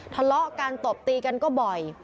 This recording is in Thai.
ทะเลาะกันตบตีกันก็บ่อย